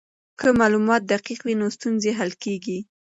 که معلومات دقیق وي نو ستونزې حل کیږي.